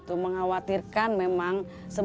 itu mengkhawatirkan memang